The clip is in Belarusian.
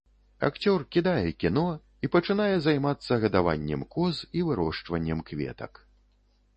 Акцёр кідае кіно і пачынае займацца гадаваннем коз і вырошчваннем кветак.